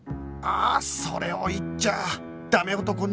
ああそれを言っちゃあダメ男